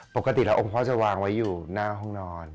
ปกติแล้วองค์พ่อจะวางไว้อยู่หน้าห้องนอน